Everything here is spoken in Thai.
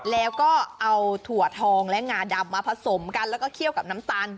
แล้วก็เอาถั่วทองและงาดำมาผสมกันแล้วก็เคี่ยวกับน้ำตาล